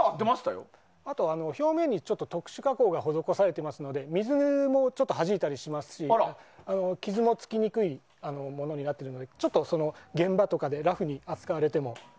表面に特殊加工が施されていますので水もはじいたりしますし傷もつきにくいものになっていて現場とかでラフに扱われても。